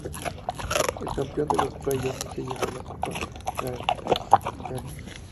El campeón de los playoff se lleva la Copa Gagarin.